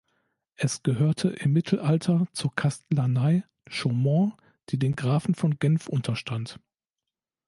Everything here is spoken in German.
Es gehörte im Mittelalter zur Kastlanei Chaumont, die den Grafen von Genf unterstand.